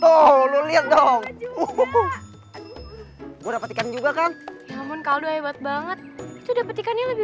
toh lu lihat dong uhuhu gua dapat ikan juga kan namun kalau hebat banget sudah petikannya lebih